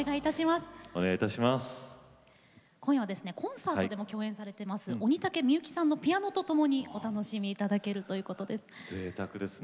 今夜はコンサートでも共演されていらっしゃいますピアニストの鬼武みゆきさんのピアノとともにお楽しみいただきたいと思います。